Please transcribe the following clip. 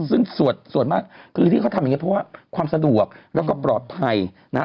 ซึ่งส่วนมากคือที่เขาทำอย่างนี้เพราะว่าความสะดวกแล้วก็ปลอดภัยนะฮะ